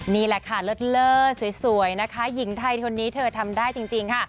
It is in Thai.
นี่แหละค่ะเลิศสวยนะคะหญิงไทยคนนี้เธอทำได้จริงค่ะ